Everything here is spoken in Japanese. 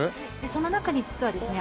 その中に実はですね